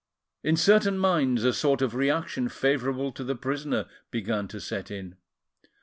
In certain minds a sort of reaction favourable to the prisoner began to set in.